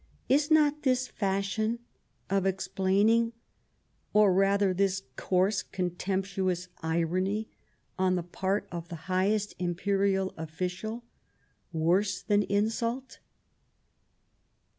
Is not this fashion of explaining, or rather this coarse, contemptuous irony, on the part of the highest Imperial official, worse than insult